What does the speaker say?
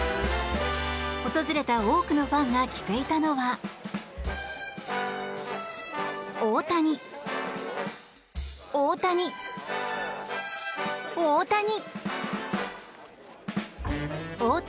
訪れた多くのファンが着ていたのが大谷、大谷、大谷。